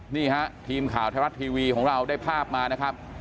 นี่ฮะทีมข่าวไทยรัฐทีวีของเราได้ภาพมานะครับ